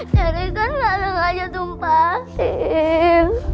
cherry kan langsung aja tumpahin